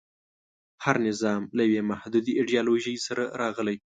هر نظام له یوې محدودې ایډیالوژۍ سره راغلی.